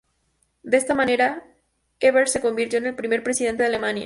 De esta manera, Ebert se convirtió en el primer Presidente de Alemania.